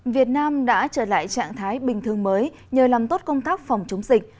việt nam đã trở lại trạng thái bình thường mới nhờ làm tốt công tác phòng chống dịch